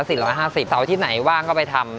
เสาร์อาทิตย์ไหนว่างก็ไปทำ